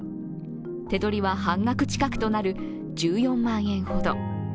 手取りは半額近くとなる１４万円ほど。